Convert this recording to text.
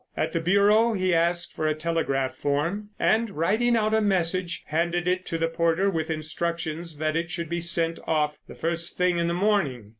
At the bureau he asked for a telegraph form, and, writing out a message, handed it to the porter with instructions that it should be sent off the first thing in the morning.